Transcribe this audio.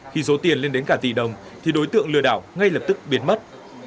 khi số tiền lên đến cả tỷ đồng thì đối tượng lừa đảo ngay lập tức biến mất